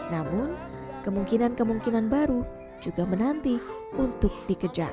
namun kemungkinan kemungkinan baru juga menanti untuk dikejar